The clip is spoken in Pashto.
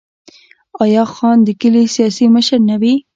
آیا خان د کلي سیاسي مشر نه وي؟